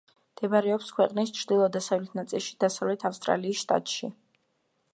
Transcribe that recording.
მდებარეობს ქვეყნის ჩრდილო-დასავლეთ ნაწილში, დასავლეთ ავსტრალიის შტატში.